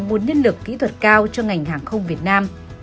nguồn nhân lực kỹ thuật cao cho ngành hàng không việt nam